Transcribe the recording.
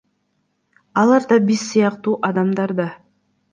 Алар да биз сыяктуу адамдар да.